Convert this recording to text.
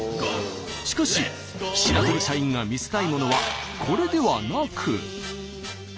しかし白鳥社員が見せたいものはこれではなく。